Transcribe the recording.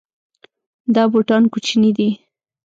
دا بوټان کوچني دي